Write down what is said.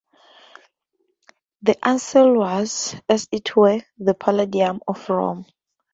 The Ancile was, as it were, the palladium of Rome.